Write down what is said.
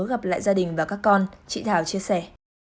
gặp lại gia đình và các con chị thảo chia sẻ